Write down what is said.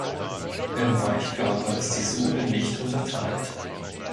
Im Weichkörper ist die Sohle nicht unterteilt.